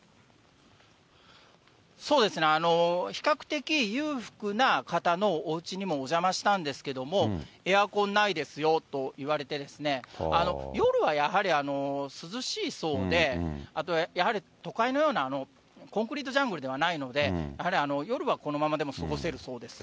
そうですね、比較的裕福な方のおうちにもお邪魔したんですけども、エアコンないですよと言われて、夜はやはり涼しいそうで、やはり都会のようなコンクリートジャングルではないので、やはり夜はこのままでも過ごせるそうです。